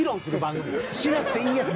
しなくていいやつ。